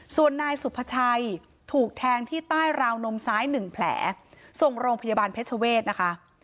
ส่วนนายสุภาชัยถูกแทงที่ใต้ราวนมซ้ายหนึ่งแผลส่งโรงพยาบาลเพชรเวศนะคะ